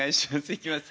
いきます